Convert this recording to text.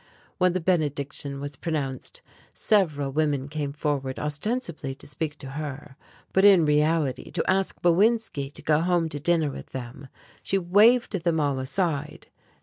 When the benediction was pronounced several women came forward ostensibly to speak to her, but in reality to ask Bowinski to go home to dinner with them. She waived them all aside.